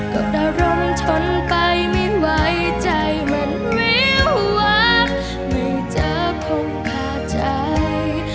ก็ได้ร่มทนไปไม่ไหวใจมันไม่หวังไม่จะคงพาใจ